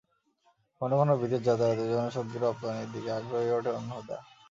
ঘন ঘন বিদেশ যাতায়াতে জনশক্তি রপ্তানির দিকে আগ্রহী হয়ে ওঠেন হুদা।